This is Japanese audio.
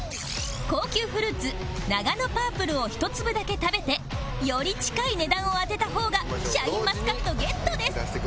高級フルーツナガノパープルを１粒だけ食べてより近い値段を当てた方がシャインマスカットゲットです